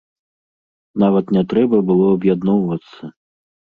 Нават не трэба было аб'ядноўвацца!